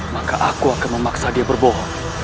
maka aku akan memaksa dia berbohong